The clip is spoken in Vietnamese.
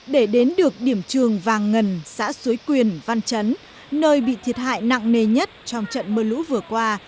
để đến được điểm trường vàng ngần xã suối quyền văn chấn nơi bị thiệt hại nặng nề nhất trong trận mưa lũ vừa qua